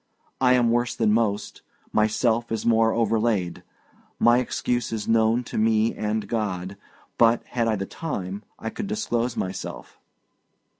I am worse than most; myself is more overlaid; my excuse is known to me and God. But, had I the time, I could disclose myself."